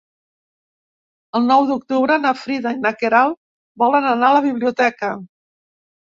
El nou d'octubre na Frida i na Queralt volen anar a la biblioteca.